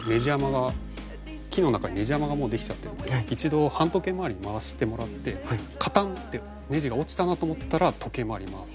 木の中にネジ穴がもうできちゃってるので一度反時計回りに回してもらってカタンってネジが落ちたなと思ったら時計回りに回す。